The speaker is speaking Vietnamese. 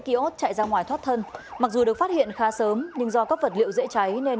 kiosk chạy ra ngoài thoát thân mặc dù được phát hiện khá sớm nhưng do các vật liệu dễ cháy nên